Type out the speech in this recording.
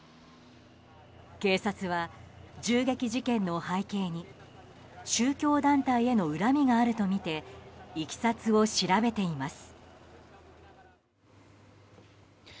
警察は、銃撃事件の背景に宗教団体への恨みがあるとみていきさつを調べています。